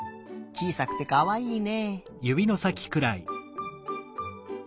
ちいさくてかわいいね。